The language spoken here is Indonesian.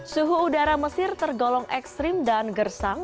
suhu udara mesir tergolong ekstrim dan gersang